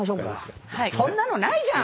そんなのないじゃん！